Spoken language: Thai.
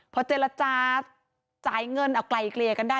พอเจรจาจ่ายเงินเอาไกลเกลี่ยกันได้